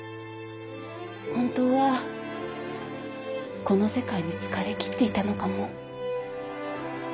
本当はこの世界に疲れ切っていたのかも。